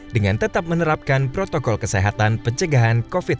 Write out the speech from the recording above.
dengan tetap menerapkan protokol kesehatan pencegahan covid sembilan belas